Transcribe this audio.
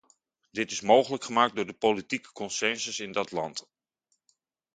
Dit is mogelijk gemaakt door de politieke consensus in dat land.